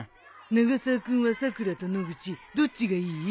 永沢君はさくらと野口どっちがいい？